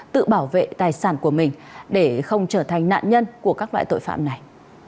tự bảo vệ tài sản của mình để không trở thành nạn nhân của các loại tội phạm này